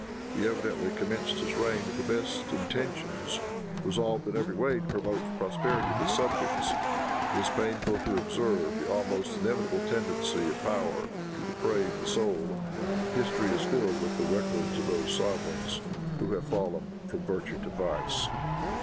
He evidently commenced his reign with the best intentions, resolved, in every way, to promote the prosperity of his subjects. It is painful to observe the almost inevitable tendency of power to deprave the soul. History is filled with the records of those sovereigns who have fallen from virtue to vice.